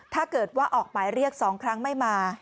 ถ้าเกิดว่าออกหมายเรียก๒ครั้งไม่มา